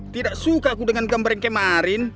tidak suka aku dengan gambar yang kemarin